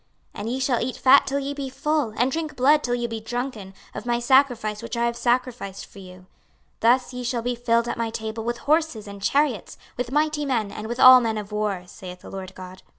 26:039:019 And ye shall eat fat till ye be full, and drink blood till ye be drunken, of my sacrifice which I have sacrificed for you. 26:039:020 Thus ye shall be filled at my table with horses and chariots, with mighty men, and with all men of war, saith the Lord GOD.